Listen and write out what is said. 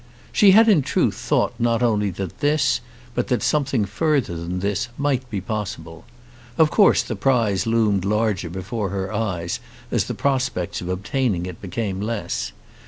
She had in truth thought not only that this, but that something further than this, might be possible. Of course the prize loomed larger before her eyes as the prospects of obtaining it became less.